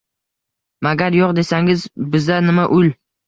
Magar yo’q desangiz, biza nima ul?